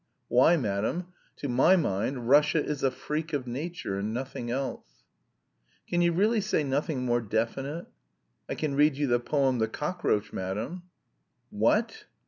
Why, madam? To my mind Russia is a freak of nature and nothing else." * From Lebyed, a Swan. "Can you really say nothing more definite?" "I can read you the poem, 'The Cockroach,' madam." "Wha a t?"